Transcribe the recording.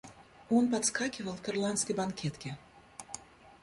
Он подскакивал к ирландской банкетке.